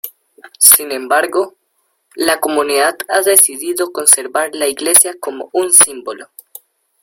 Sin embargo, la comunidad ha decidido conservar la iglesia como un símbolo.